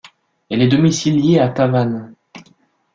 Elle est domiciliée à Tavannes.